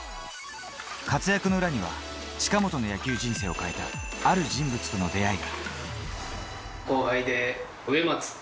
活躍の裏には近本の野球人生を変えた、ある人物との出会いが。